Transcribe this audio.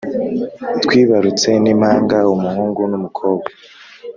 twibarutse n’impanga umuhungu n’umukobwa